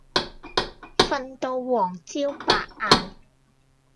瞓到黃朝百晏